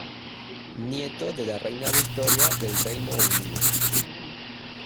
Nieto de la reina Victoria del Reino Unido.